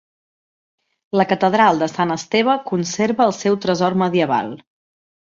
La Catedral de Sant Esteve conserva el seu tresor medieval.